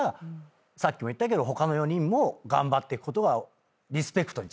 さっきも言ったけど他の４人も頑張っていくことがリスペクトにつながるんだお互いの。